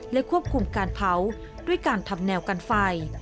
ควบคุมการเผาด้วยการทำแนวกันไฟ